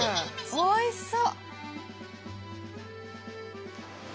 おいしそう！